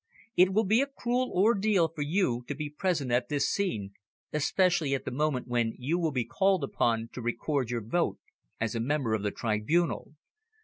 It will be a cruel ordeal for you to be present at this scene, especially at the moment when you will be called upon to record your vote as a member of the tribunal.